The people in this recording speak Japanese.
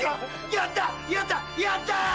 やったやったやった！